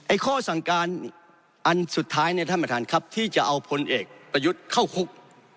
ข้อสั่งการอันสุดท้ายเนี่ยท่านประธานครับที่จะเอาพลเอกประยุทธ์เข้าคุก